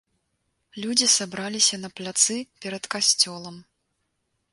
Людзі сабраліся на пляцы перад касцёлам.